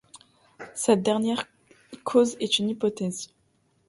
Cette dernière cause est une hypothèse.